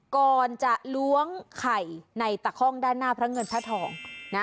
ก่อนจะล้วงไข่ในตะค่องด้านหน้าพระเงินพระทองนะ